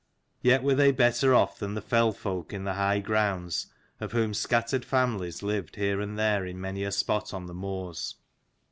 Yet were they better off than the fell folk in the high grounds, of whom scattered families lived here and there in many a spot on the moors.